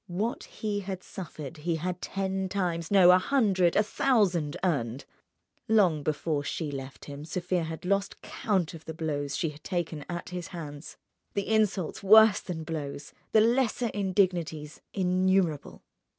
What he had suffered he had ten times—no, a hundred, a thousand—earned. Long before she left him Sofia had lost count of the blows she had taken at his hands, the insults worse than blows, the lesser indignities innumerable.